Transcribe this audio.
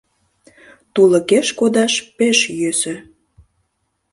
Тулыкеш кодаш пеш йӧсӧ...